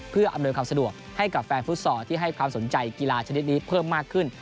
เพื่ออำนวยความสะดวกให้กับแฟนฟุตซอลที่ให้ความสนใจกีฬาชนิดนี้เพิ่มมากขึ้น